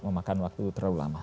memakan waktu terlalu lama